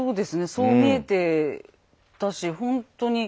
そう見えてたしほんとに「三河万歳」